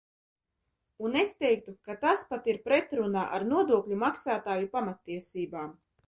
Un es teiktu, ka tas pat ir pretrunā ar nodokļu maksātāju pamattiesībām.